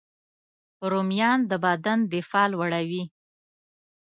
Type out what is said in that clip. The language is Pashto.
رومیان د بدن دفاع لوړوي